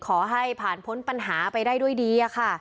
ขอให้ผ่านพ้นปัญหาไปได้ด้วยดีค่ะ